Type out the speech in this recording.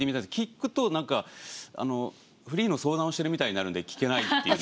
聞くと何かあのフリーの相談をしてるみたいになるんで聞けないっていうのも。